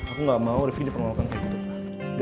aku gak mau rifki diperlukan kayak gitu pa